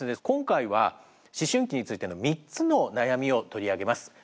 今回は思春期についての３つの悩みを取り上げます。